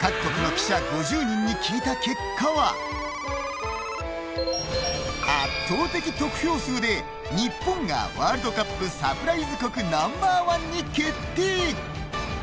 各国の記者５０人に聞いた結果は圧倒的得票数で日本がワールドカップサプライズ国ナンバーワンに決定。